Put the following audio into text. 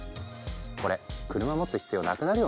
これ車持つ必要なくなるよね。